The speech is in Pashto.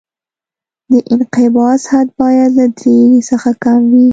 د انقباض حد باید له درې څخه کم وي